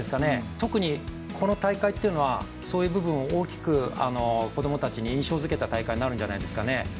特にこの大会っていうのは大きく子供たちに印象づけた大会になるんじゃないですかね。